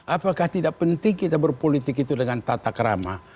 apakah tidak penting kita berpolitik itu dengan tata kerama